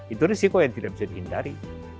itu risiko yang tidak bisa dihindari